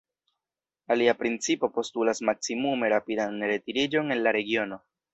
Alia principo postulas maksimume rapidan retiriĝon el la regiono.